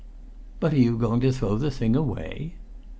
"But are you going to throw the thing away?"